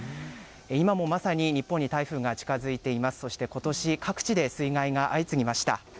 今もまさに日本に台風が近づいています、そして、ことし、各地で水害が相次ぎました。